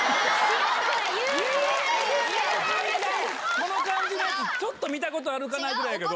この感じ、ちょっと見たことあるかないかやけど。